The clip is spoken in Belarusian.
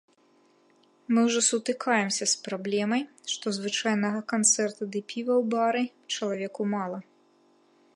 Мы ўжо сутыкаемся з праблемай, што звычайнага канцэрта ды піва ў бары чалавеку мала.